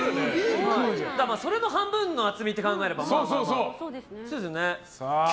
それの半分の厚みって考えればまあまあ。